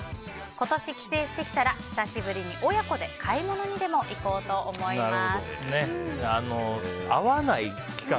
今年、帰省してきたら久しぶりに親子で買い物にでも行こうと思います。